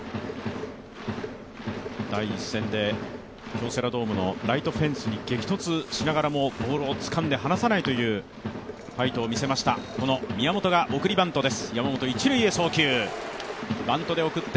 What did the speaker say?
第１戦で京セラドームのライトフェンスに激突しながらもボールをつかんで離さないというファイトを見せました宮本が送りバントです。